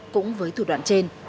cũng với thủ đoạn trên